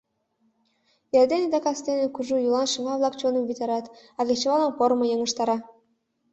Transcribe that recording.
Эрдене да кастене кужу йолан шыҥа-влак чоныш витараш а кечывалым пормо йыгыжтара.